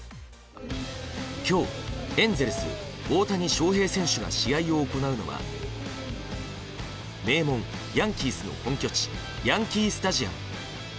今日、エンゼルス大谷翔平選手が試合を行うのは名門ヤンキースの本拠地ヤンキースタジアム。